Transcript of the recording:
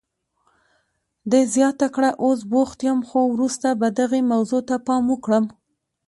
ده زیاته کړه، اوس بوخت یم، خو وروسته به دغې موضوع ته پام وکړم.